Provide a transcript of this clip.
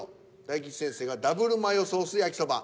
大吉先生が「Ｗマヨソース焼そば」。